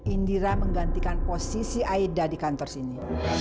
indira menggantikan posisi aida di kantor sini